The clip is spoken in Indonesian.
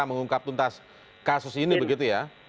mengungkap tuntas kasus ini begitu ya